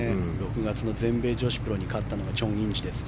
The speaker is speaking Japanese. ６月の全米女子プロに勝ったのがチョン・インジです。